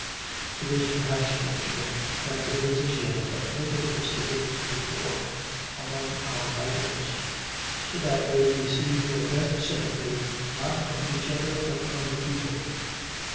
It is perhaps fortunate that there is as yet but little esprit de corps among our writers, so that they receive their best sympathy, not from each other, but from the people.